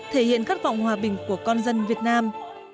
thể hiện khát vọng hòa bình của con dân việt nam